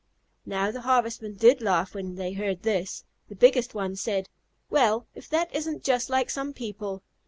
How the Harvestmen did laugh when they heard this! The biggest one said, "Well, if that isn't just like some people!